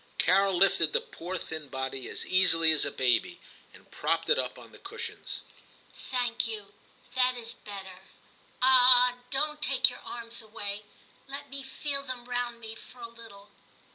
Carol lifted the poor thin body as easily as a baby, and propped it up on the cushions. ' Thank you, that is better. Ah ! don't take 3i6 TIM CHAP. your arms away ; let me feel them round me for a little.